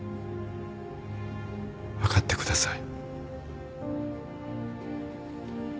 分かってください。